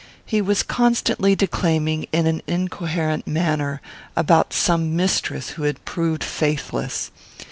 He was constantly declaiming, in an incoherent manner, about some mistress who had proved faithless.